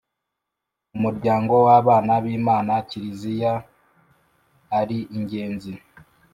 mu muryango w’abana b’imana kiliziy a ari ingenzi.